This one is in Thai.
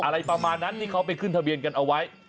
อะไรประมาณนั้นที่เขาไปขึ้นทะเบียนกันเอาไว้